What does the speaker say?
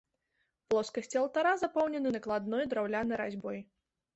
Плоскасці алтара запоўнены накладной драўлянай разьбой.